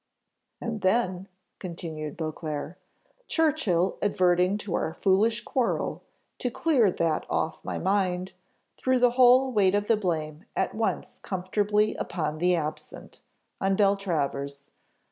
"And then," continued Beauclerc, "Churchill adverting to our foolish quarrel, to clear that off my mind, threw the whole weight of the blame at once comfortably upon the absent on Beltravers.